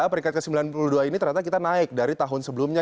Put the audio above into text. peringkat ke sembilan puluh dua ini ternyata kita naik dari tahun sebelumnya